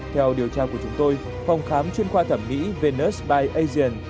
theo điều tra của chúng tôi phòng khám chuyên khoa thẩm mỹ venice by asian